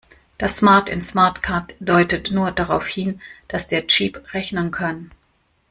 Das "smart" in SmartCard deutet nur darauf hin, dass der Chip rechnen kann.